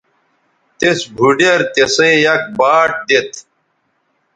تِس بُھوڈیر تِسئ یک باٹ دیتھ